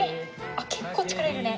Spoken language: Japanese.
あっ結構力いるね。